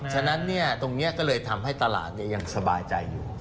ฉะนั้นตรงนี้ก็เลยทำให้ตลาดยังสบายใจอยู่